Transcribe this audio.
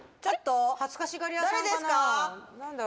ちょっと恥ずかしがり屋さんかな？